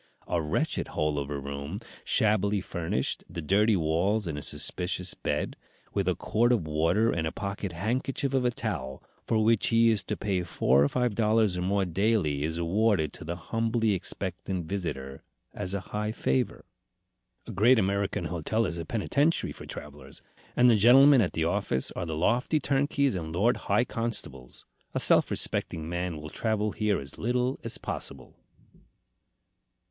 A wretched hole of a room, shabbily furnished, the dirty walls and a suspicious bed, with a quart of water and a pocket handkerchief of a towel, for which he is to pay four or five dollars or more daily, is awarded to the humbly expectant visitor as a high favor. A great American hotel is a penitentiary for travellers, and the gentlemen at the office are the lofty turnkeys and lord high constables. A self respecting man will travel here as little as possible."